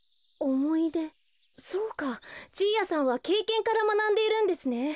そうかじいやさんはけいけんからまなんでいるんですね。